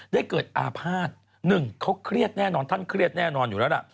ได้เกิดอาภาษณ์หนึ่งเขาเครียดแน่นอนท่านเครียดแน่นอนอยู่แล้วล่ะ